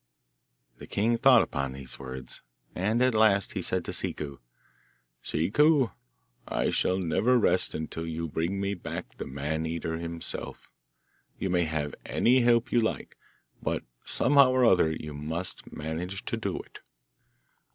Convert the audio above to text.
The king thought upon these words, and at last he said to Ciccu, 'Ciccu, I shall never rest until you bring me back the Man eater himself. You may have any help you like, but somehow or other you must manage to do it.